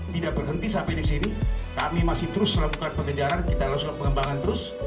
tidak berhenti sampai di sini kami masih terus lakukan pengejaran kita langsung pengembangan terus